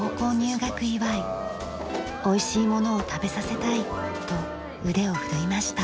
おいしいものを食べさせたいと腕を振るいました。